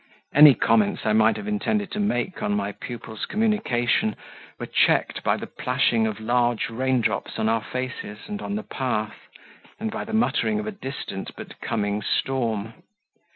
Any comments I might have intended to make on my pupil's communication, were checked by the plashing of large rain drops on our faces and on the path, and by the muttering of a distant but coming storm.